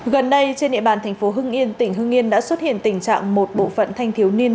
gần đây trên địa bàn thành phố hưng yên tỉnh hưng yên đã xuất hiện tình trạng một bộ phận thanh thiếu niên